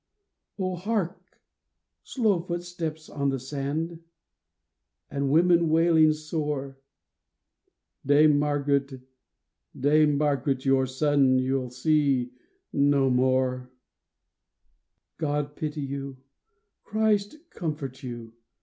Oh, hark ! slow footsteps on the sand, And women wailing sore :" Dame Margaret ! Dame Margaret! Your son you'll see no more I EASTER MORNING 361 *' God pity you ! Christ comfort you!